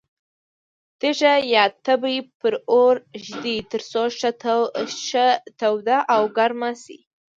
تیږه یا تبۍ پر اور ږدي ترڅو ښه توده او ګرمه شي.